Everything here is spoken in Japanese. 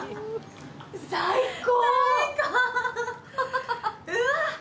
最高。